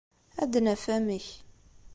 Ad d-naf amek.